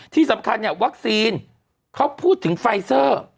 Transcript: ที่สำคัญเนี่ยวัคซีนเขาพูดถึงไฟเซอร์